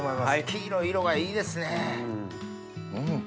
黄色い色がいいですね。